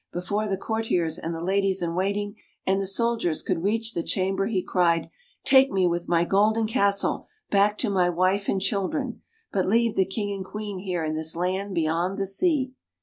Before the courtiers, and the ladies in waiting, and the soldiers could reach the chamber, he cried, " Take me with my golden castle, back to my wife and children; but leave the King and Queen here in this land beyond the sea."